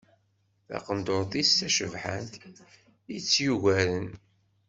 Taqendur-is tacebḥant i tt-yugaren.